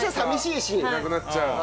いなくなっちゃう。